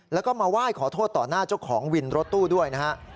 แล้วก็มาไหว้ขอโทษต่อหน้าเจ้าของวินรถตู้ด้วยนะฮะ